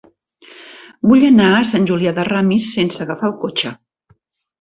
Vull anar a Sant Julià de Ramis sense agafar el cotxe.